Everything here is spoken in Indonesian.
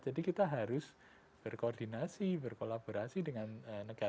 jadi kita harus berkoordinasi berkolaborasi dengan negara